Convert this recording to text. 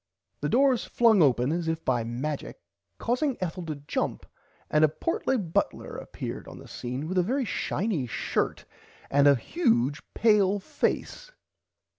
The doors flung open as if by majic causing [Pg 32] Ethel to jump and a portly butler appeared on the scene with a very shiny shirt front and a huge pale face.